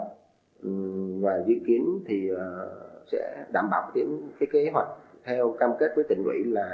ngoài dự kiến thì sẽ đảm bảo đến cái kế hoạch theo cam kết với tỉnh quỹ là